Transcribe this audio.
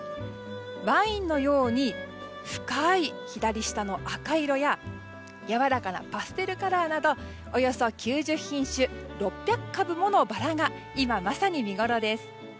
ワインのように深い左下の赤い色ややわらかなパステルカラーなどおよそ９０品種６００株ものバラが今まさに見ごろです。